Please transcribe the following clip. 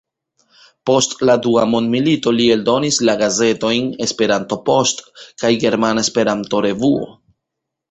Post la dua mondmilito li eldonis la gazetojn "Esperanto-Post" kaj "Germana Esperanto-Revuo.